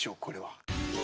これは。